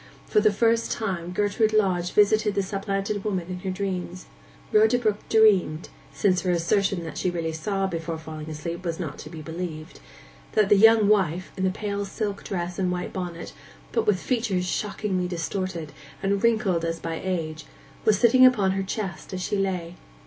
For the first time Gertrude Lodge visited the supplanted woman in her dreams. Rhoda Brook dreamed—since her assertion that she really saw, before falling asleep, was not to be believed—that the young wife, in the pale silk dress and white bonnet, but with features shockingly distorted, and wrinkled as by age, was sitting upon her chest as she lay.